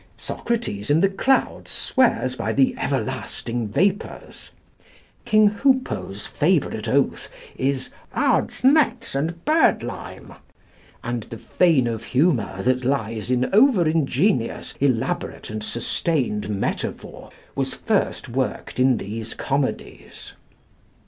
Socrates in the 'Clouds' swears by the everlasting vapors. King Hoopoe's favorite oath is "Odds nets and birdlime." And the vein of humor that lies in over ingenious, elaborate, and sustained metaphor was first worked in these comedies.